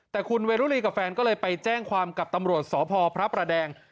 แต่คุณเวรุรีกับแฟนก็เลยไปแจ้งความกับตำรวจสพพระประแดง